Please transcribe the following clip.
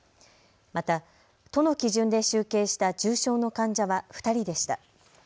また都の基準で集計した重症の患者は２人でした。